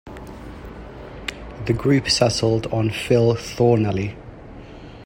The group settled on Phil Thornalley.